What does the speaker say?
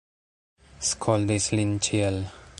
Skoldis lin ĉiel.